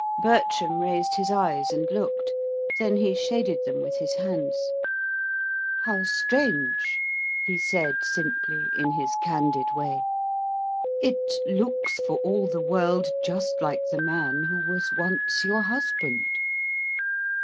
Bertram raised his eyes and looked. Then he shaded them with his hands. "How strange!" he said simply, in his candid way: "it looks for all the world just like the man who was once your husband!"